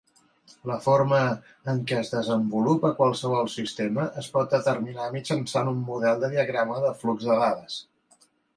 La forma en què es desenvolupa qualsevol sistema es pot determinar mitjançant un model de diagrama de flux de dades.